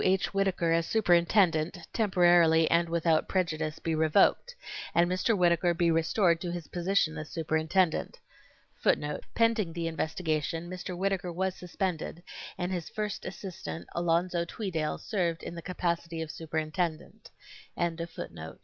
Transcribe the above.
H. Whittaker as superintendent, temporarily and without prejudice, be revoked, and Mr. Whittaker be restored to his position as superintendent: Pending the investigation Mr. Whittaker was suspended, and his first assistant, Alonzo Tweedale, served in the capacity of superintendent.